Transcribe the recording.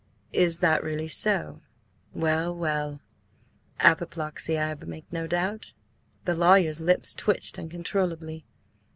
"Is that really so? Well, well! Apoplexy, I make no doubt?" The lawyer's lips twitched uncontrollably.